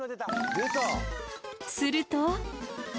すると。